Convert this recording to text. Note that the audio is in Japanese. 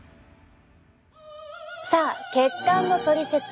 さあ血管のトリセツ。